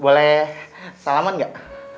boleh salaman gak